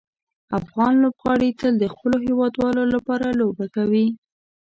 افغان لوبغاړي تل د خپلو هیوادوالو لپاره لوبه کوي.